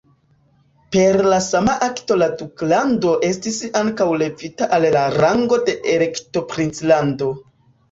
Per la sama akto la duklando estis ankaŭ levita al la rango de elektoprinclando.